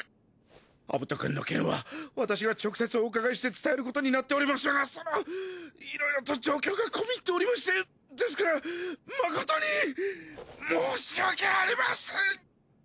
アブトくんの件は私が直接お伺いして伝えることになっておりましたがそのいろいろと状況が込み入っておりましてですから誠に申し訳ありません！